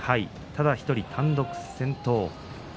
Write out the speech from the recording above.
ただ１人、単独先頭。